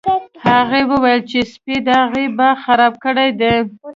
هغې وویل چې سپي د هغې باغ خراب کړی دی